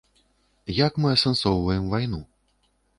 Як мы асэнсоўваем вайну?